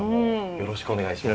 よろしくお願いします。